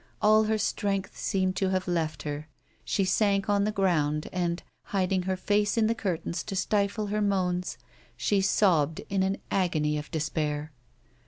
All her strength seemed to have left her; she sank on the ground, and, hiding her face in the curtains to stifle her moans, she sobbed in an agony of despair.